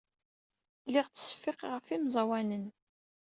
Lliɣ ttseffiqeɣ ɣef yemẓawanen.